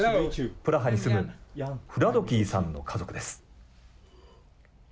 プラハに住むフラドキーさんの家族です。